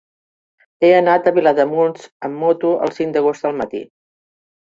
He d'anar a Vilademuls amb moto el cinc d'agost al matí.